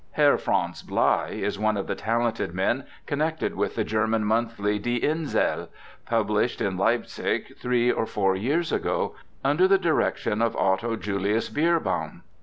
Herr Franz Blei is one of the talented men connected with the German monthly, Die Insel, published in Leipzig three or four years ago, under the direction of Otto Julius Bierbaum.